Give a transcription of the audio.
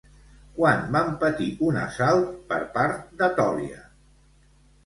Quan van patir un assalt per part d'Etòlia?